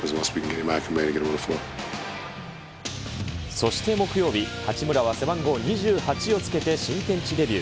そして木曜日、八村は背番号２８をつけて新天地デビュー。